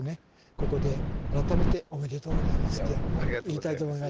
ここで改めておめでとうございますって言いたいと思います。